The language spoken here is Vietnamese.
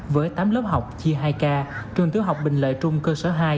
với tám lớp học chia hai k trường tiểu học bình lợi trung cơ sở hai